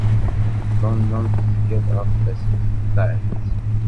London tezga-d ɣef wasif n Thames.